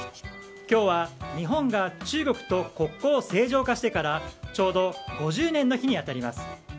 今日は日本が中国と国交正常化してからちょうど５０年の日に当たります。